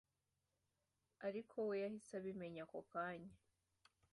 ariko we yahise abimenya ako kanya